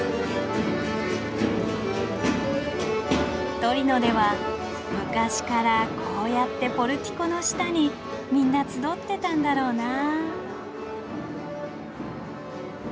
トリノでは昔からこうやってポルティコの下にみんな集ってたんだろうなあ。